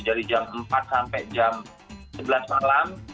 dari jam empat sampai jam sebelas malam